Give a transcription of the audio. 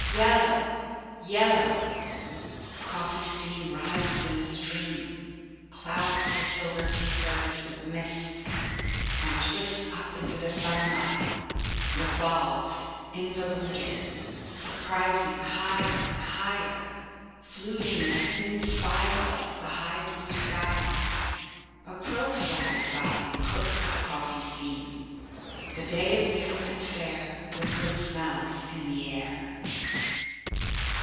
Yellow! Yellow!" Coffee steam rises in a stream, clouds the silver tea service with mist, and twists up into the sunlight, revolved, involuted, suspiring higher and higher, fluting in a thin spiral up the high blue sky. A crow flies by and croaks at the coffee steam. The day is new and fair with good smells in the air.